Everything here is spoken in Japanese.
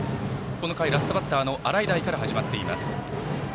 この回、ラストバッター洗平から始まっています。